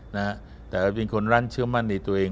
แต่ถ้าเป็นคนรันเชื่อมั่นในตัวเอง